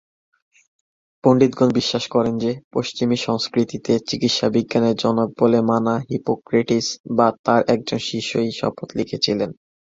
পণ্ডিতগণ বিশ্বাস করেন যে পশ্চিমী সংস্কৃতিতে চিকিৎসা বিজ্ঞানের জনক বলে মানা হিপোক্রেটিস বা তার একজন শিষ্য এই শপথ লিখেছিলেন।